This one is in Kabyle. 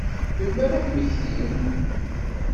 Melmi ara ad mmektin?